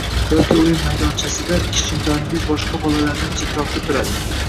yoki o‘yin maydonchasida kichkintoyingiz boshqa bolalardan chetroqda turadi